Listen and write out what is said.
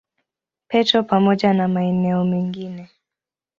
Petro pamoja na maeneo mengine.